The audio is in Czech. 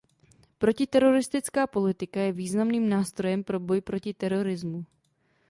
Protiteroristická politika je významným nástrojem pro boj proti terorismu.